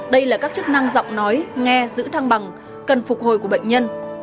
đây là các chức năng giọng nói nghe giữ thăng bằng cần phục hồi của bệnh nhân